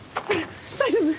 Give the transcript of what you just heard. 大丈夫？